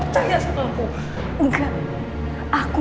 percaya sama aku